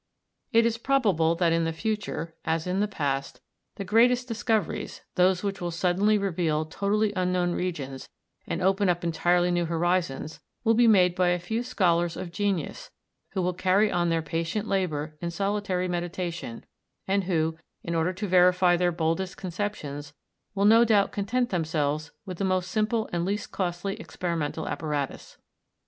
It is probable that in the future, as in the past, the greatest discoveries, those which will suddenly reveal totally unknown regions, and open up entirely new horizons, will be made by a few scholars of genius who will carry on their patient labour in solitary meditation, and who, in order to verify their boldest conceptions, will no doubt content themselves with the most simple and least costly experimental apparatus.